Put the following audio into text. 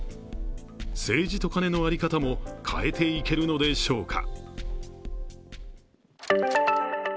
政治とカネの在り方も変えていけるのでしょうか。